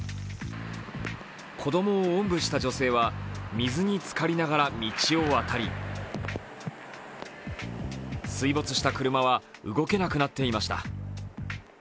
子供をおんぶした女性は水につかりながら道を渡り水没した車は動けなくなっていました。